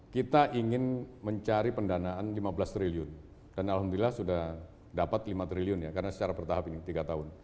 kita ingin mencari pendanaan lima belas triliun dan alhamdulillah sudah dapat lima triliun ya karena secara bertahap ini tiga tahun